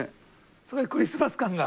すごいクリスマス感が。